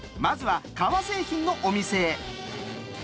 まずは革製品のお店へ。